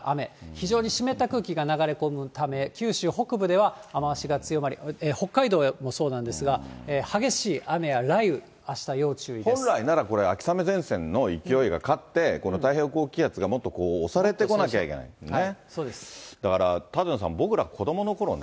非常に湿った空気が流れ込むため、九州北部では雨足が強まり、北海道もそうなんですが、激しい雨や本来なら、これ、秋雨前線の勢いが勝って、この太平洋高気圧がもっと押されてこなきゃいけないんですよね。